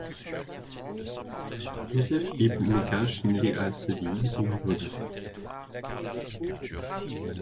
Joseph ibn Migash naît à Séville ou à Grenade.